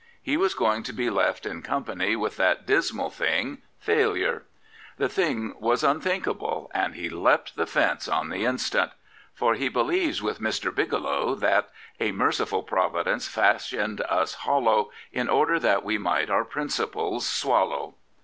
He was going to be left 'in company with that dismal thing, failure. The thing was unthink able, and he leapt the fence on the instant. For he believes with Mr. Biglow that A merciful Providence fashioned us hollow, j In order thet we might our princerples swallow.